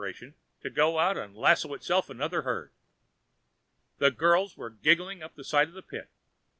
to go out and lasso itself another herd. The girls went giggling up the side of the pit.